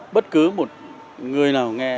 bất cứ một người nào nghe